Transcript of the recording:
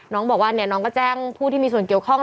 น้องบอกว่าเนี่ยน้องก็แจ้งผู้ที่มีส่วนเกี่ยวข้อง